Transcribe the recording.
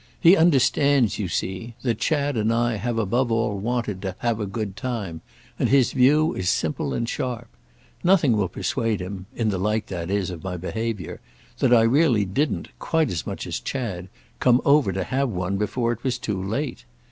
He understands, you see, that Chad and I have above all wanted to have a good time, and his view is simple and sharp. Nothing will persuade him—in the light, that is, of my behaviour—that I really didn't, quite as much as Chad, come over to have one before it was too late.